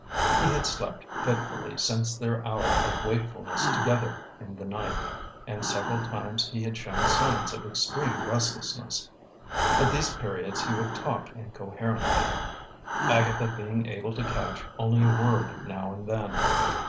He had slept fitfully since their hour of wakefulness together in the night, and several times he had shown signs of extreme restlessness. At these periods he would talk incoherently, Agatha being able to catch only a word now and then.